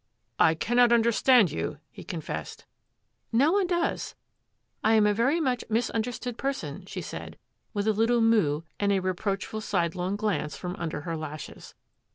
" I cannot understand you," he confessed. " No one does. I am a very much misunder stood person," she said, with a little moibe and a reproachful sidelong glance from under her lashes.